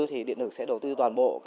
thì điện lực sẽ đầu tư toàn bộ